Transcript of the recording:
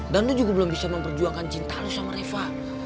dan lo juga belum bisa memperjuangkan cinta lo sama reva